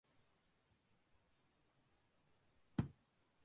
நீண்ட அந்த இரவு முழுதும் அவன் துரங்கவே இல்லை.